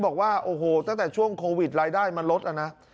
บอกว่าโอ้โหตั้งแต่ช่วงโควิดรายได้มันลดแล้วนะ